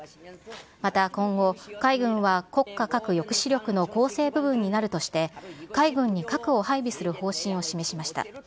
また今後、海軍は国家核抑止力の構成部分になるとして、海軍に核を配備する方針を示しました。